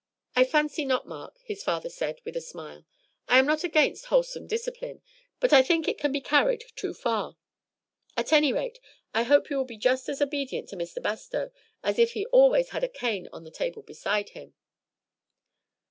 "I fancy not, Mark," his father said with a smile. "I am not against wholesome discipline, but I think it can be carried too far; at any rate, I hope you will be just as obedient to Mr. Bastow as if he always had a cane on the table beside him."